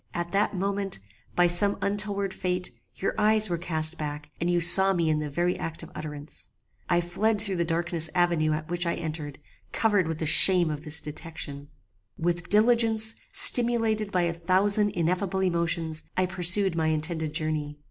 At that moment, by some untoward fate, your eyes were cast back, and you saw me in the very act of utterance. I fled through the darksome avenue at which I entered, covered with the shame of this detection. "With diligence, stimulated by a thousand ineffable emotions, I pursued my intended journey.